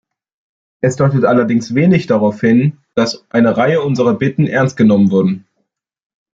Es deutet allerdings wenig darauf hin, dass eine Reihe unserer Bitten ernst genommen wurden.